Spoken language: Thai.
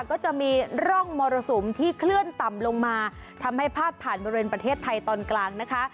ก็จะมีร่องมรสุมที่เคลื่อนต่ำลงมาทำให้พาดผ่านบริเวณประเทศไทยตอนกลางนะคะ